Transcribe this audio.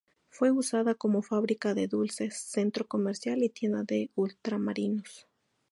Fue usada como fábrica de dulce, centro comercial y tienda de ultramarinos.